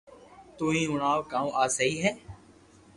تو ھي ھڻاو ڪاو آ سھي ھي